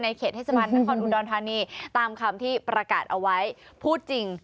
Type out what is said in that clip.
เขตเทศบาลนครอุดรธานีตามคำที่ประกาศเอาไว้พูดจริง